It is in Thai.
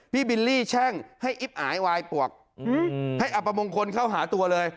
บิลลี่แช่งให้อิ๊บอายวายปวกให้อับประมงคลเข้าหาตัวเลย